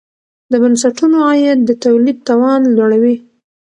د بنسټونو عاید د تولید توان لوړوي.